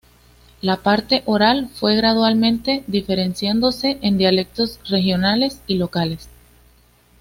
La parte oral fue gradualmente diferenciándose en dialectos regionales y locales.